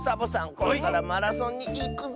これからマラソンにいくぞ！